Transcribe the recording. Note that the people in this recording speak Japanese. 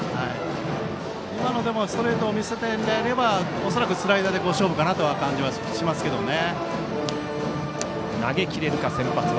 今のストレートを見せたのであれば恐らくスライダーで勝負かなという感じがしますね。